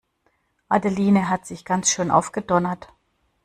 Adelinde hat sich ganz schön aufgedonnert.